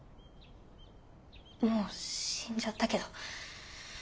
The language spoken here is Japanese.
もう死んじゃったけど。